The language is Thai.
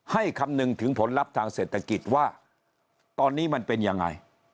คำนึงถึงผลลัพธ์ทางเศรษฐกิจว่าตอนนี้มันเป็นยังไง